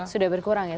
sudah berkurang ya